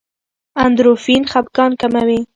اندورفین خپګان کموي.